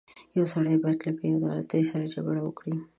• یو سړی باید له بېعدالتۍ سره جګړه وکړي.